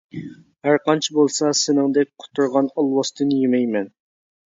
ھەرقانچە بولسا سېنىڭدەك قۇترىغان ئالۋاستىنى يېمەيمەن.